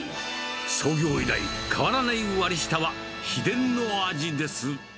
創業以来、変わらない割り下は秘伝の味です。